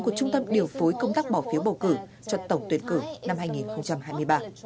của trung tâm điều phối công tác bỏ phiếu bầu cử cho tổng tuyển cử năm hai nghìn hai mươi ba